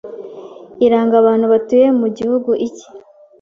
iranga abantu batuye mu gihugu iki